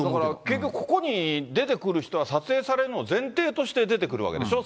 結局、ここに出てくる人は撮影されるの前提として出てくるわけでしょう。